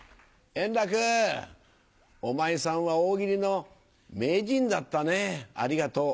円楽、お前さんは大喜利の名人だったね、ありがとう。